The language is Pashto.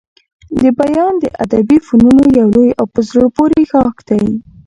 بیان د ادبي فنونو يو لوی او په زړه پوري ښاخ دئ.